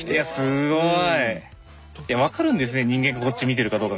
すごい！